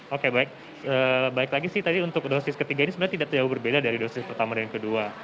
oke baik lagi sih tadi untuk dosis ketiga ini sebenarnya tidak jauh berbeda dari dosis pertama dan kedua